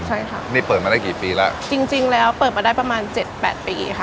ใช่ค่ะนี่เปิดมาได้กี่ปีแล้วจริงจริงแล้วเปิดมาได้ประมาณเจ็ดแปดปีค่ะ